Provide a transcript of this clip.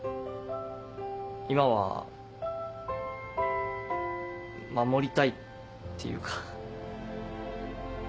今は守りたいっていうか。